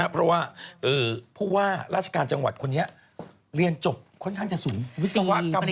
เพราะว่าผู้ว่าราชการจังหวัดคนนี้เรียนจบค่อนข้างจะสูงวิศวกรรม